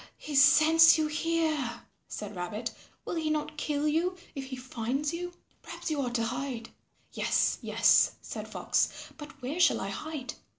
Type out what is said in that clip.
"He scents you here," said Rabbit, "will he not kill you if he finds you? Perhaps you ought to hide." "Yes, yes," said Fox, "but where shall I hide?"